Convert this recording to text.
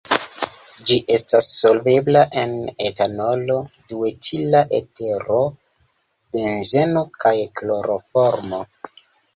Ĝi estas solvebla en etanolo, duetila etero, benzeno kaj kloroformo.